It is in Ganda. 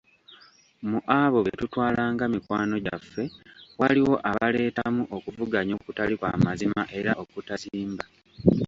Mu abo be tutwalanga mikwano gyaffe waliwo abaleetamu okuvuganya okutali kwa mazima era okutazimba.